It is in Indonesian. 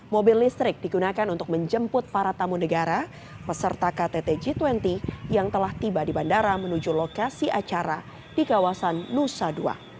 mobil listrik digunakan untuk menjemput para tamu negara peserta ktt g dua puluh yang telah tiba di bandara menuju lokasi acara di kawasan nusa dua